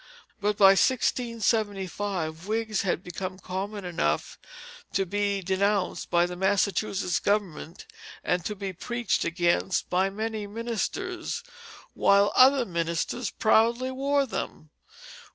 But by 1675 wigs had become common enough to be denounced by the Massachusetts government, and to be preached against by many ministers; while other ministers proudly wore them.